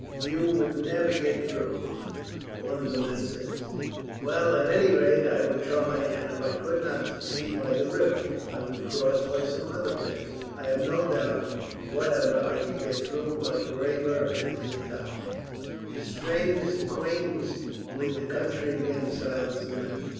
"You would never get through," one of the men said. "Well, at any rate I would try; and if I could not succeed by the road by the river, I would cross by some other pass. I have no doubt, whatever, I could get through by Graber and Zittau." The stranger's acquaintance with the country again silenced the men.